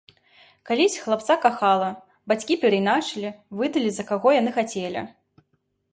Калісь хлапца кахала, бацькі перайначылі, выдалі, за каго яны хацелі.